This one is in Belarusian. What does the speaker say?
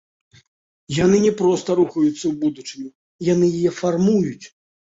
Яны не проста рухаюцца ў будучыню, яны яе фармуюць.